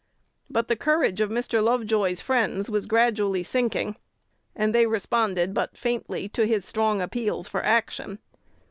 But the courage of Mr. Lovejoy's friends was gradually sinking, and they responded but faintly to his strong appeals for action.